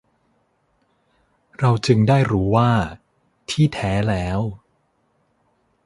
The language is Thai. เราจึงได้รู้ว่า ที่แท้แล้ว